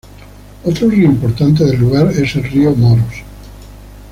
Otro río importante del lugar es el río Moros.